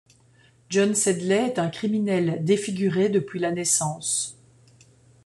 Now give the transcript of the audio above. John Sedley est un criminel, défiguré depuis la naissance.